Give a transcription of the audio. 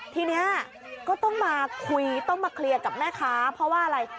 ทีนี้ก็ต้องมาคุยต้องมาเคลียร์กับแม่ค้าเพราะว่าอะไร